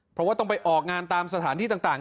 เพราะว่าต้องไปออกงานตามสถานที่ต่าง